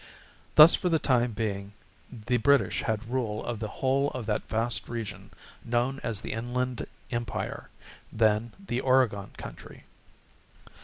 Thus for the time being the British had rule of the whole of that vast region known as the Inland Empire, then the Oregon Country.